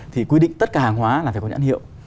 thì quy định tất cả hàng hóa là phải có nhãn hiệu